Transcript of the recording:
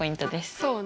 そうね。